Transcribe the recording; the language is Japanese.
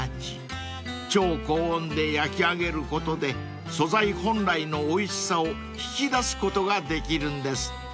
［超高温で焼き上げることで素材本来のおいしさを引き出すことができるんですって］